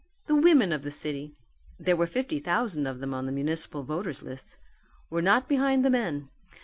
The women of the city there were fifty thousand of them on the municipal voters list were not behind the men.